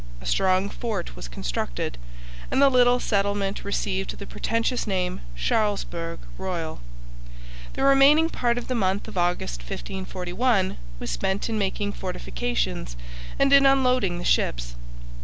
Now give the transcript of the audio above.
A strong fort was constructed, and the little settlement received the pretentious name Charlesbourg Royal. The remaining part of the month of August 1541 was spent in making fortifications and in unloading the ships.